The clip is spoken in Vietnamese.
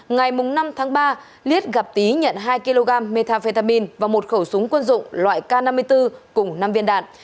ngày năm tháng ba liên gặp tý nhận hai kg metafetamin và một khẩu súng quân dụng loại k năm mươi bốn cùng năm viên đạn